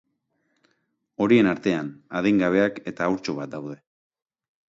Horien artean, adingabeak eta haurtxo bat daude.